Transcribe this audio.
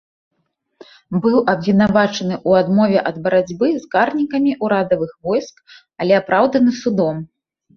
Быў абвінавачаны ў адмове ад барацьбы з карнікамі ўрадавых войск, але апраўданы судом.